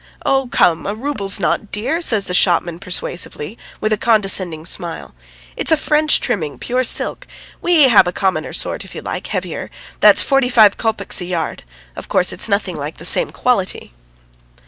"Oh, come, a rouble's not dear," says the shopman persuasively, with a condescending smile. "It's a French trimming, pure silk. ... We have a commoner sort, if you like, heavier. That's forty five kopecks a yard; of course, it's nothing like the same quality."